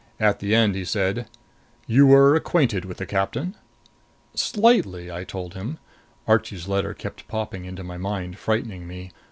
At the end he said: "You were acquainted with the captain?" "Slightly," I told him. Archie's letter kept popping into my mind, frightening me.